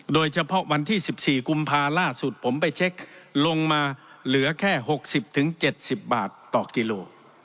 โดยเฉพาะวันที่สิบสี่กุมภาคมล่าสุดผมไปเช็คลงมาเหลือแค่หกสิบถึงเจ็ดสิบบาทต่อกิโล